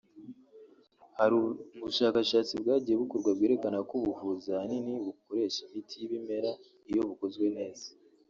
Hari ubushakashatsi bwagiye bukorwa bwerekana ko ubu buvuzi ahanini bukoresha imiti y’ibimera iyo bukozwe neza